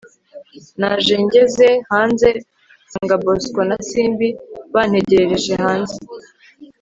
naje ngeze hanze nsanga bosco na simbi bantegerereje hanze